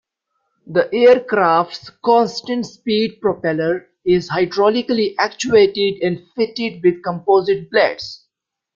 The aircraft's constant-speed propeller is hydraulically actuated and fitted with composite blades.